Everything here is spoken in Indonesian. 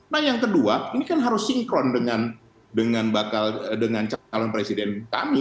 nah yang kedua ini kan harus sinkron dengan calon presiden kami